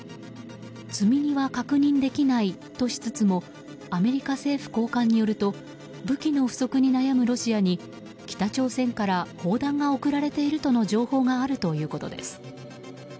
積み荷は確認できないとしつつもアメリカ政府高官によると武器の不足に悩むロシアに北朝鮮から砲弾が送られているとの情報があるということです。